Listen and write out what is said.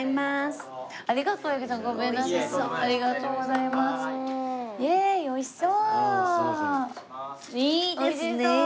いいですねえ！